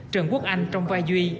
trần quốc anh trong vai duy